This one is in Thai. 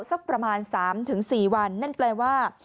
สักประมาณ๓๔วันนั่นแปลว่า